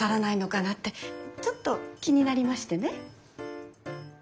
ちょっと気になりましてね。